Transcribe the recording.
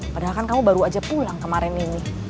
padahal kan kamu baru aja pulang kemarin ini